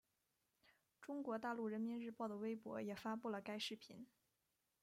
中国大陆人民日报的微博也发布了该视频。